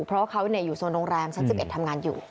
เพราะว่าเขาอยู่ในโรงแรมฉันจึงเอ็ดทำงานอยู่